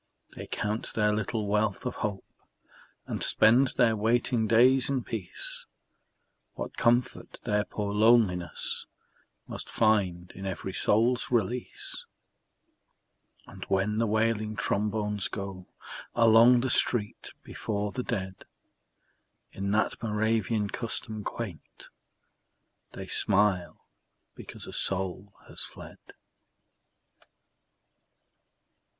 They count their little wealth of hope And spend their waiting days in peace, What comfort their poor loneliness Must find in every soul's release! And when the wailing trombones go Along the street before the dead In that Moravian custom quaint, They smile because a soul has fled.